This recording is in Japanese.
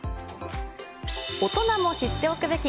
大人も知っておくべき！